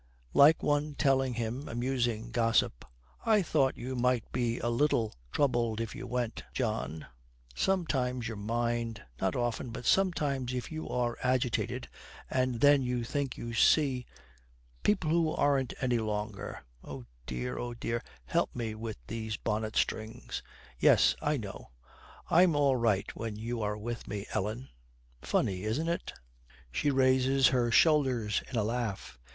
Like one telling him amusing gossip, 'I thought you might be a little troubled if you went, John. Sometimes your mind not often, but sometimes if you are agitated and then you think you see people who aren't here any longer. Oh dear, oh dear, help me with these bonnet strings.' 'Yes, I know. I'm all right when you are with me, Ellen. Funny, isn't it?' She raises her shoulders in a laugh.